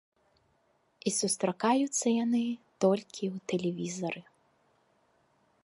І сустракаюцца яны толькі ў тэлевізары.